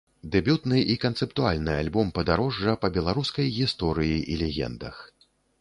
Дэбютны і канцэптуальны альбом-падарожжа па беларускай гісторыі і легендах.